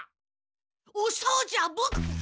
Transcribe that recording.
おそうじはボクが。